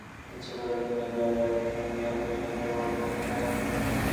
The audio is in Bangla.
ইচ্ছা করলেই তিনি ইংল্যান্ড আমেরিকায় গিয়ে অপারেশনটা করাতে পারেন।